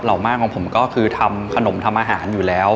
มากของผมก็คือทำขนมทำอาหารอยู่แล้ว